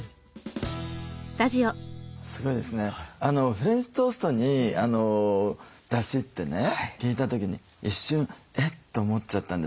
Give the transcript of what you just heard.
フレンチトーストにだしってね聞いた時に一瞬え？って思っちゃったんですよね。